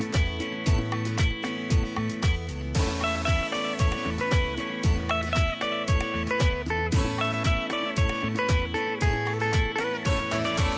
สวัสดีครับ